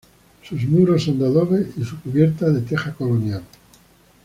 Sus muros son de adobe y su cubierta de teja colonial.